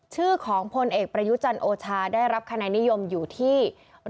ชื่อของพลเอกประยุจันทร์โอชาได้รับคะแนนนิยมอยู่ที่